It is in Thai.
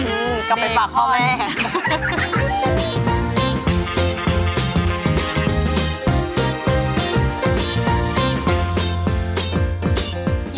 อื้ออื้อกลับไปปากของแม่